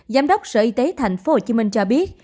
giám đốc sở y tế thành phố hồ chí minh cho biết